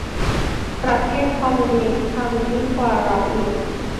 ประเทศคอมมิวนิสต์ทำยิ่งกว่าเราอีก